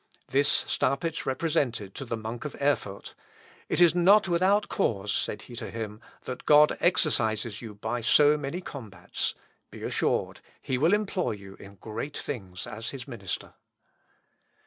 This Staupitz represented to the monk of Erfurt; "It is not without cause," said he to him, "that God exercises you by so many combats; be assured he will employ you in great things as his minister."